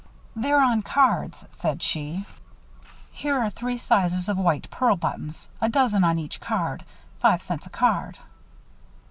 "They're on cards," said she. "Here are three sizes of white pearl buttons a dozen on each card. Five cents a card."